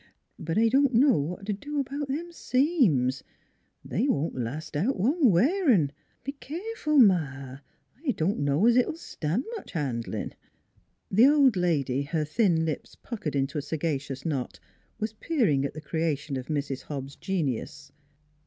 But I don't know what t' do about them seams. They won't last out one wearin'. ... Be keerful, Ma, I don 1 know es it '11 stan' much handlin'." The old lady, her thin lips puckered into a saga cious knot, was peering at the creation of Mrs. Hobbs' genius.